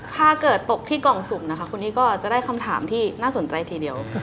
ถ้าเกิดตกที่กล่องสุ่มนะคะคุณนี่ก็จะได้คำถามที่น่าสนใจทีเดียว